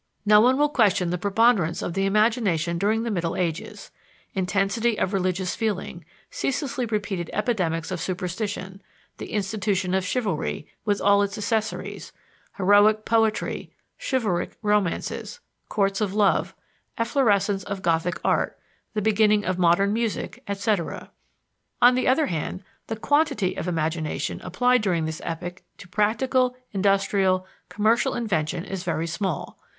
No one will question the preponderance of the imagination during the middle Ages: intensity of religious feeling, ceaselessly repeated epidemics of superstition; the institution of chivalry, with all its accessories; heroic poetry, chivalric romances; courts of love, efflorescence of Gothic art, the beginning of modern music, etc. On the other hand, the quantity of imagination applied during this epoch to practical, industrial, commercial invention is very small.